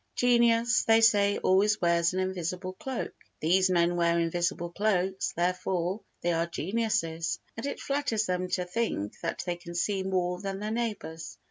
Genius, they say, always wears an invisible cloak; these men wear invisible cloaks—therefore they are geniuses; and it flatters them to think that they can see more than their neighbours.